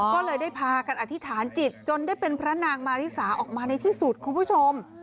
ก็เลยได้พากันอธิษฐานจิตจนได้เป็นพระนางมาริสาออกมาในที่สุดคุณผู้ชม